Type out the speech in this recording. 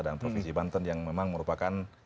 dan provinsi banten yang memang merupakan